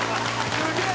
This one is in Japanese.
すげえ！」